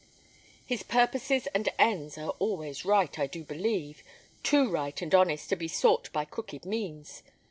His purposes and ends are always right, I do believe: too right and honest to be sought by crooked means.